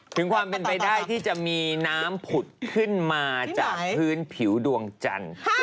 ถึงความเป็นไปได้ที่จะมีน้ำผุดขึ้นมาจากพื้นผิวดวงจันทร์